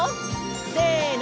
せの！